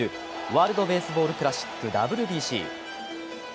ワールドベースボールクラシック・ＷＢＣ。